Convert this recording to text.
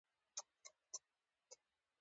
خو په هغه وخت کې کلیو کې پاکستان نه پېژانده.